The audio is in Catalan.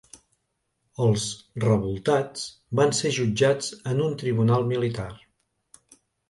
Els revoltats van ser jutjats en un tribunal militar.